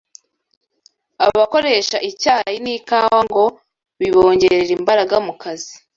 Abakoresha icyayi n’ikawa ngo bibongerere imbaraga mu kazi